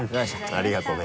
ありがとね。